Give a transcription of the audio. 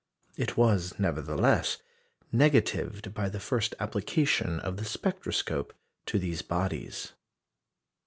It was, nevertheless, negatived by the first application of the spectroscope to these bodies.